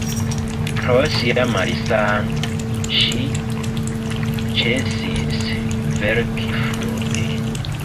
Pro sia malsano ŝi ĉesis verki frue.